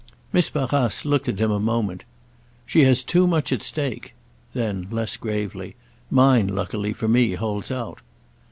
Miss Barrace looked at him a moment. "She has too much at stake." Then less gravely: "Mine, luckily for me, holds out."